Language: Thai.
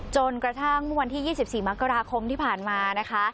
จนกระทั่งเมื่อวันที่๒๔มกราคมที่ผ่านมานะคะ